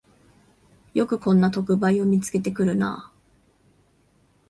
よくこんな特売を見つけてくるなあ